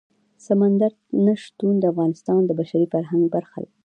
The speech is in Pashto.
سمندر نه شتون د افغانستان د بشري فرهنګ برخه ده.